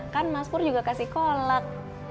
kan mas pur juga kasih kolak